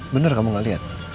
benar kamu gak liat